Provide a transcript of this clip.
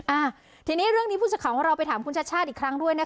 อ่าทีนี้เรื่องนี้พอของเราไปถามคุณชาชาชอีกครั้งด้วยนะคะ